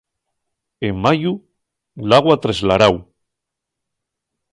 En mayu, l'agua tres l'aráu.